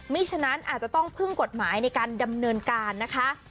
ฉะนั้นอาจจะต้องพึ่งกฎหมายในการดำเนินการนะคะ